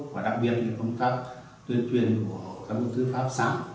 và đặc biệt thì công tác tuyên truyền của các bộ tư pháp xã